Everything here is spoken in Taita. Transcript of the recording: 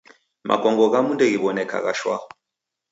Makongo ghamu ndeghiw'onekagha shwaa.